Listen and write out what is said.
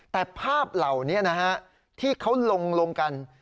แต่ภาพเหล่านี้นะฮะที่เขาลงกัน